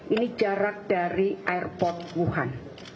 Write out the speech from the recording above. ini jarak dari airport wuhan